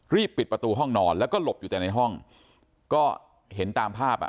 รีบปิดประตูห้องนอนแล้วก็หลบอยู่แต่ในห้องก็เห็นตามภาพอ่ะ